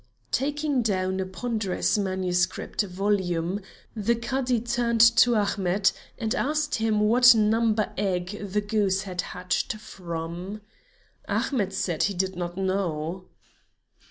Taking down a ponderous manuscript volume, the Cadi turned to Ahmet and asked him what number egg the goose had been hatched from. Ahmet said he did not know.